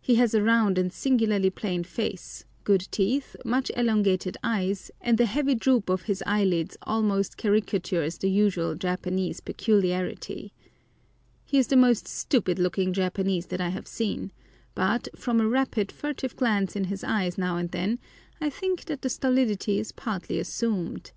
He has a round and singularly plain face, good teeth, much elongated eyes, and the heavy droop of his eyelids almost caricatures the usual Japanese peculiarity. He is the most stupid looking Japanese that I have seen, but, from a rapid, furtive glance in his eyes now and then, I think that the stolidity is partly assumed.